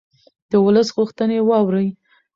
د ولس غوښتنې واورئ